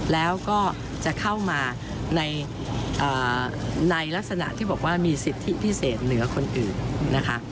แล้วก็จะเข้ามาในลักษณะที่บอกว่ามีสิทธิพิเศษเหลือคนอื่นนะคะ